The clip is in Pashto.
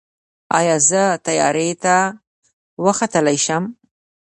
ایا زه طیارې ته وختلی شم؟